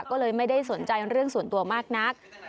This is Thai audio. ก็เลยไม่ได้สนใจเรื่องส่วนตัวมากนัก